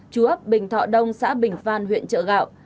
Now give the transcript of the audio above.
chú ấp bình thọ đông xã bình phan huyện chợ gạo